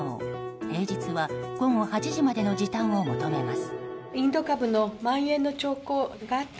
平日は午後８時までの時短を求めます。